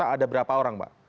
ada berapa orang pak